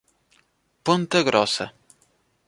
Ponta Grossa